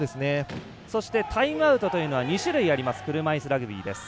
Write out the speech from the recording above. そして、タイムアウトというのは２種類あります車いすラグビーです。